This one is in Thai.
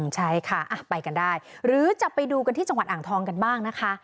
ใช่ค่ะไปกันได้หรือจะไปดูกันที่จังหวัดอ่างทองกันบ้างนะคะ